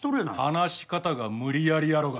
話し方が無理やりやろが。